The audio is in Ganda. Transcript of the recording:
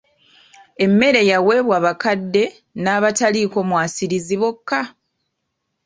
Emmere yaweebwa bakadde n'abataliiko mwasirizi bokka.